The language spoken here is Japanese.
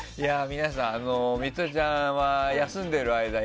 皆さん、ミトちゃんは休んでる間